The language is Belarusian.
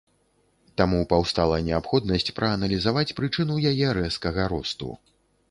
Таму паўстала неабходнасць прааналізаваць прычыну яе рэзкага росту.